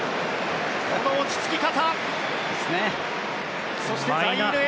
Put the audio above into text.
この落ちつき方！